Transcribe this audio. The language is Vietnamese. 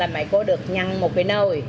mẹ cô được nhăn một cái nồi